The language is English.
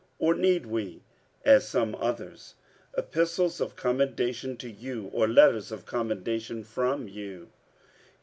or need we, as some others, epistles of commendation to you, or letters of commendation from you?